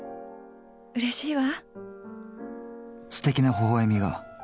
うれしいヮ。